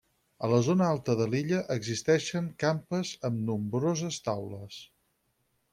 A la zona alta de l'illa existeixen campes amb nombroses taules.